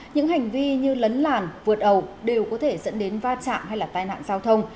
những hành vi như lấn làn vượt ẩu đều có thể dẫn đến va chạm hay là tai nạn giao thông